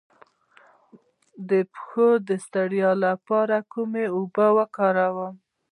د پښو د ستړیا لپاره کومې اوبه وکاروم؟